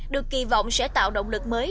được kỳ vọng sẽ tạo động lực mới